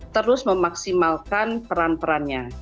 terus memaksimalkan peran perannya